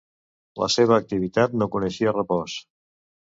La seva activitat no coneixia repòs.